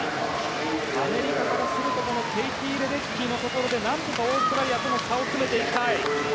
アメリカからするとケイティ・レデッキーのところで何とかオーストラリアとの差を詰めていきたい。